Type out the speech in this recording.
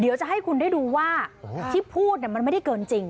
เดี๋ยวจะให้คุณได้ดูว่าที่พูดมันไม่ได้เกินจริง